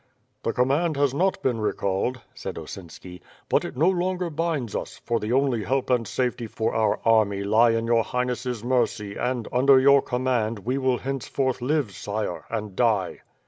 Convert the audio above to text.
"The command has not been recalled," said Ozinski, *T>ut it no longer binds us; for the only help and safety for our 370 WITH FIRE AND SWORt). 37 i army lie in your Highnesses mercy and, under your command, we will henceforth live, sire, and die."